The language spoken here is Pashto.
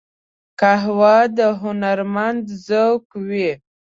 قهوه د هنرمند ذوق وي